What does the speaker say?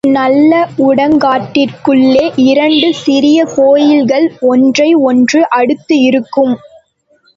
நல்ல உடங்காட்டிற்குள்ளே இரண்டு சிறிய கோயில்கள் ஒன்றை ஒன்று அடுத்து இருக்கும்.